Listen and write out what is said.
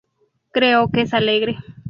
Creo que es alegre.